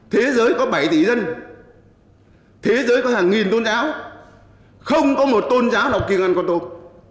thế giới có bảy tỷ dân thế giới có hàng nghìn tôn giáo không có một tôn giáo nào kì ngăn con tôm